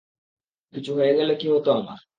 কিছু হয়ে গেলো কী হতো আমার?